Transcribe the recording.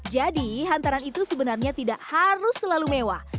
jadi hantaran itu sebenarnya tidak harus selalu mewah